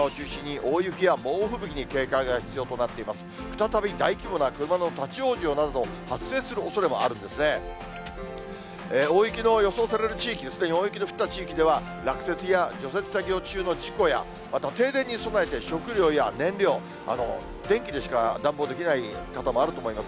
大雪の予想される地域ですね、大雪の降った地域では、落雪や除雪作業中の事故や、また停電に備えて、食料や燃料、電気でしか暖房できない方もあると思います。